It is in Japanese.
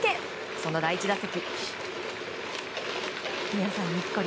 その第１打席。